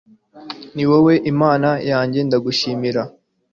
ni wowe imana yanjye, ndagushimira